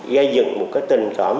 gây dựng một cái tình cảm